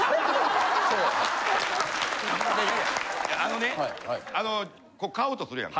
あのね買おうとするやん。